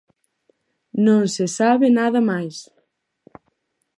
Non se sabe nada máis.